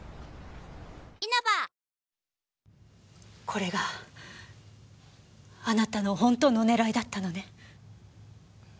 これがあなたの本当の狙いだったのね？